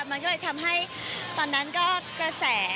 มันก็เลยทำให้ตอนนั้นก็กระแส